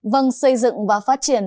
vâng xây dựng và phát triển